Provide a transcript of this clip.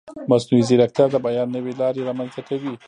مصنوعي ځیرکتیا د بیان نوې لارې رامنځته کوي.